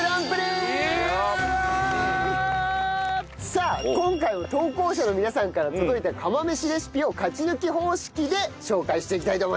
さあ今回は投稿者の皆さんから届いた釜飯レシピを勝ち抜き方式で紹介していきたいと思います。